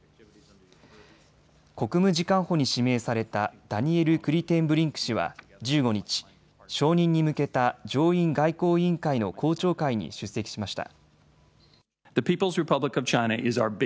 国務次官補に指名されたダニエル・クリテンブリンク氏は１５日、承認に向けた上院外交委員会の公聴会に出席しました。